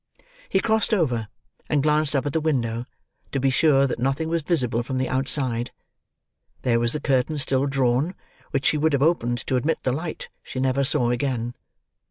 He crossed over, and glanced up at the window, to be sure that nothing was visible from the outside. There was the curtain still drawn, which she would have opened to admit the light she never saw again.